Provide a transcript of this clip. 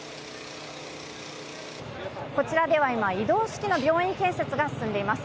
こちらでは今移動式の病院建設が進んでいます。